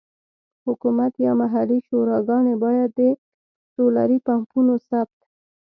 حکومت یا محلي شوراګانې باید د سولري پمپونو ثبت.